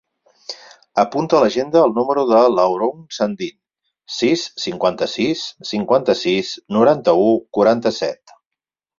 Apunta a l'agenda el número de l'Haroun Sandin: sis, cinquanta-sis, cinquanta-sis, noranta-u, quaranta-set.